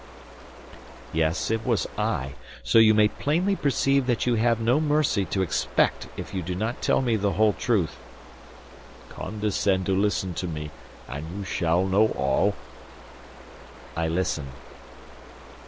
"Yes, it was I; so you may plainly perceive that you have no mercy to expect if you do not tell me the whole truth." "Condescend to listen to me, and you shall know all." "I listen."